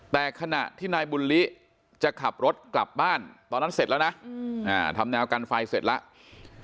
แต่ขณะที่นายบุญลิจะขับรถกลับบ้านตอนนั้นเสร็จแล้วนะทำแนวกันไฟเสร็จแล้ว